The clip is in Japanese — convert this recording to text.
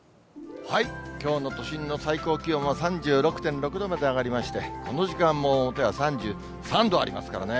きょうの都心の最高気温は３６．６度まで上がりまして、この時間も表は３３度ありますからね。